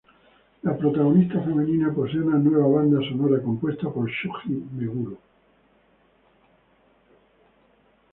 La protagonista femenina posee nueva banda sonora compuesta por Shoji Meguro.